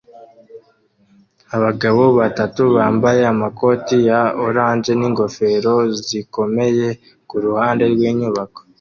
Abagabo batatu bambaye amakoti ya orange n'ingofero zikomeye kuruhande rwinyubako